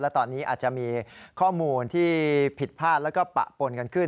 และตอนนี้อาจจะมีข้อมูลที่ผิดพลาดแล้วก็ปะปนกันขึ้น